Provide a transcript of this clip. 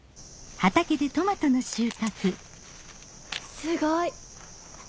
すごい。